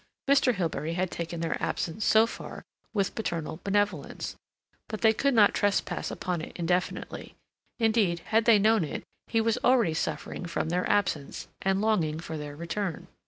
Mr. Hilbery had taken their absence, so far, with paternal benevolence, but they could not trespass upon it indefinitely. Indeed, had they known it, he was already suffering from their absence, and longing for their return.